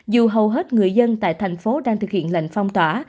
dù hầu hết người dân tại thành phố đang thực hiện lệnh phong tỏa